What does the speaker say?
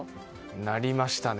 なりましたね。